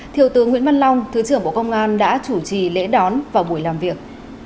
thiếu tướng nguyễn văn long thứ trưởng bộ công an đã chủ trì lễ đón và buổi làm việc